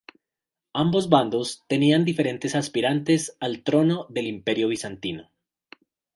Ambos bandos tenían diferentes aspirantes al trono del Imperio Bizantino.